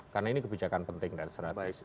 karena ini kebijakan penting dan seratus